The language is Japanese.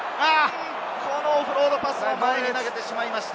このオフロードパスは前に投げてしまいました。